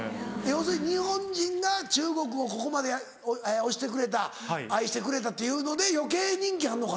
要するに日本人が中国をここまで推してくれた愛してくれたというので余計人気あんのかな？